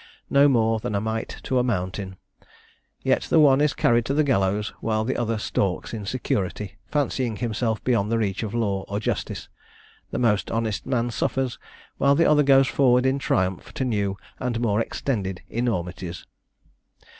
No more than a mite to a mountain. Yet the one is carried to the gallows, while the other stalks in security, fancying himself beyond the reach of law or justice; the most honest man suffers, while the other goes forward in triumph to new and more extended enormities.